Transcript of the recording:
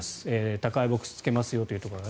宅配ボックスつけていますというところが。